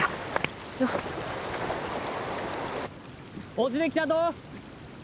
落ちてきた。